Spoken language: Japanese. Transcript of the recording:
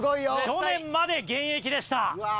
去年まで現役でした。